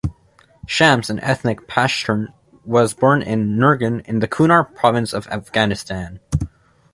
Shams, an ethnic Pashtun, was born in Nurgal in the Kunar province of Afghanistan.